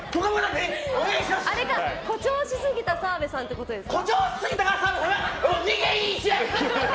誇張しすぎた澤部さんということですか。